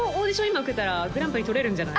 今受けたらグランプリ取れるんじゃない？